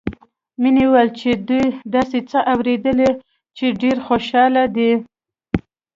مينې وويل چې دوي داسې څه اورېدلي چې ډېرې خوشحاله دي